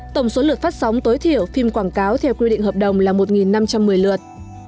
tổng số lượt phát sóng tối thiểu phim quảng cáo theo quy định hợp đồng là một năm trăm một mươi lượt